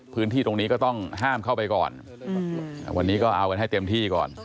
พื้นที่ตรงนี้ก็ต้องห้ามเข้าไปก่อนวันนี้ก็เอากันให้เต็มที่ก่อน